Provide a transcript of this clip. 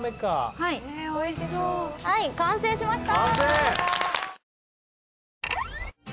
はい完成しました！